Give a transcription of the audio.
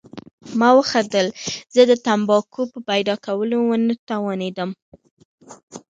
ما وخندل، زه د تمباکو په پیدا کولو ونه توانېدم.